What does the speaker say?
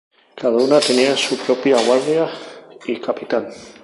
Cada una tenía su propia guardia y capitán.